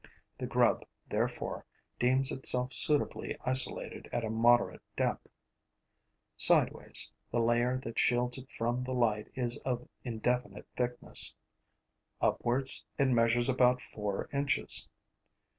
The grub, therefore, deems itself suitably isolated at a moderate depth. Sideways, the layer that shields it from the light is of indefinite thickness; upwards, it measures about four inches.